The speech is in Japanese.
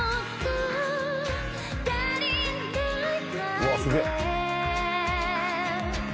「うわっすげえ！」